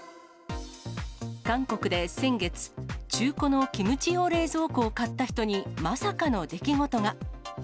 韓国で先月、中古のキムチ用冷蔵庫を買った人にまさかの出来事が。